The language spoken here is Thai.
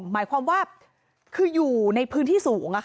หมายความว่าคืออยู่ในพื้นที่สูง